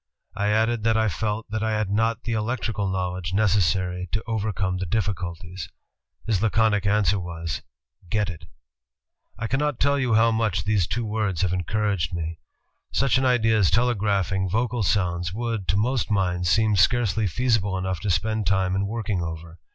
... I added that I felt that I had not the electrical knowledge necessary to overcome the difl&culties. His laconic answer was ^Get U.' "I cannot tell you how much these two words have encouraged me. ... Such an idea as telegraphing vocal sounds would ... to most minds seem scarcely feasible enough to spend time in working over.